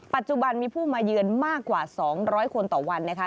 ปัจจุบันมีผู้มาเยือนมากกว่า๒๐๐คนต่อวันนะคะ